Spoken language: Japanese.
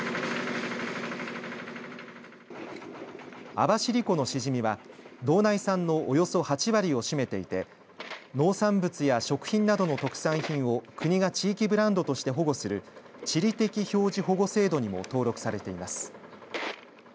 網走湖のシジミは道内産のおよそ８割を占めていて農産物や食品などの特産品を国が地域ブランドとして保護する地理的表示保護制度にも登録されています。